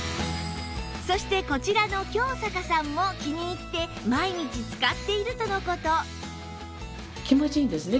そしてこちらの杏咲さんも気に入って毎日使っているとの事